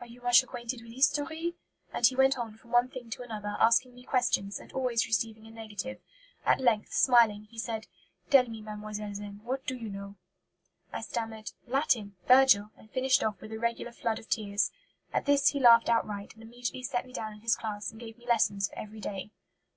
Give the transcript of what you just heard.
'Are you much acquainted with history?' And he went on from one thing to another, asking me questions, and always receiving a negative. At length, smiling, he said: 'Tell me, mademoiselle, then, what you do know.' I stammered 'Latin Virgil,' and finished off with a regular flood of tears. At this he laughed outright, and immediately set me down in his class and gave me lessons for every day."